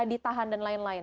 ditahan dan lain lain